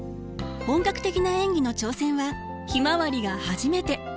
本格的な演技の挑戦は「ひまわり」が初めて。